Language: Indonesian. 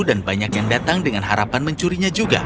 dan banyak yang datang dengan harapan mencurinya juga